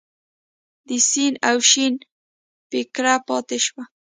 د سین او شین پیکړه پاتې شوه.